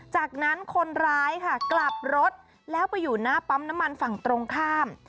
จากนั้นคนร้ายค่ะกลับรถแล้วไปอยู่หน้าปั๊มน้ำมันฝั่งตรงข้าม